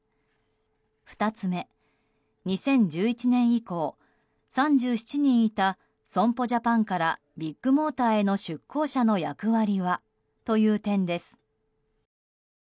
２つ目２０１１年以降、３７人いた損保ジャパンからビッグモーターへの出向者の役割はという点です。